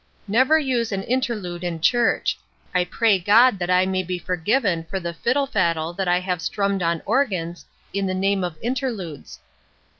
"Never use an interlude in church, I pray God that I may be forgiven for the fiddle faddle that I have strummed on organs, in the name of interludes."